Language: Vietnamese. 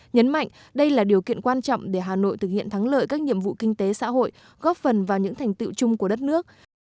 nhấn mạnh đây là điều kiện quan trọng để hà nội thực hiện thắng lợi các nhiệm vụ kinh tế xã hội góp phần vào những thành tựu chung của đất nước